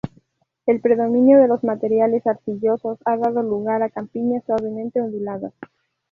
El predominio de los materiales arcillosos ha dado lugar a campiñas suavemente onduladas.